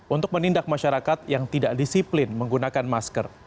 untuk menindak masyarakat yang tidak disiplin menggunakan masker